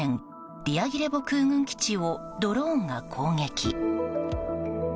ディアギレボ空軍基地をドローンが攻撃。